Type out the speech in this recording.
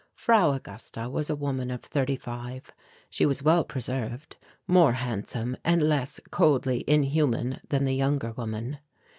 Frau Augusta was a woman of thirty five. She was well preserved, more handsome and less coldly inhuman than the younger woman.